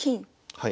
はい。